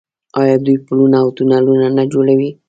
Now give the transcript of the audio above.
آیا دوی پلونه او تونلونه نه جوړوي؟